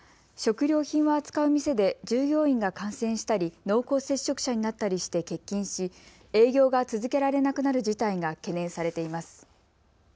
食料品を扱う店で従業員が感染したり濃厚接触者になったりして欠勤し営業が続けられなくなる事態が懸念されています。